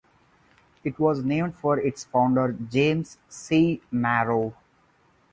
It was named for its founder, James C. Morrow.